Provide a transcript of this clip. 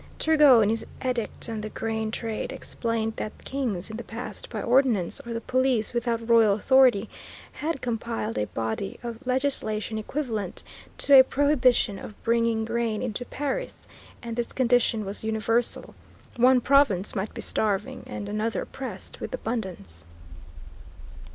Turgot, in his edict on the grain trade, explained that kings in the past by ordinance, or the police without royal authority, had compiled a body "of legislation equivalent to a prohibition of bringing grain into Paris," and this condition was universal. One province might be starving and another oppressed with abundance.